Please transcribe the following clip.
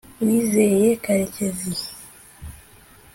wizeye karekezi